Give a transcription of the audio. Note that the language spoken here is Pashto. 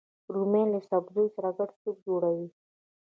رومیان له سبزیو سره ګډ سوپ جوړوي